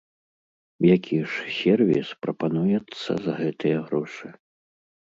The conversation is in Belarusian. Які ж сервіс прапануецца за гэтыя грошы?